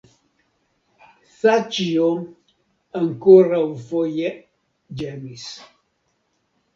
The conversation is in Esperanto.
Saĉjo ankoraŭfoje ĝemis.